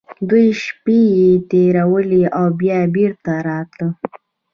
دوې شپې يې تېرولې او بيا بېرته راته.